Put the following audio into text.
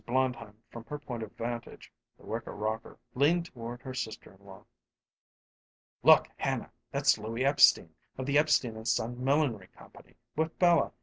Blondheim from her point of vantage the wicker rocker leaned toward her sister in law. "Look, Hanna! that's Louie Epstein, of the Epstein & Son Millinery Company, with Bella.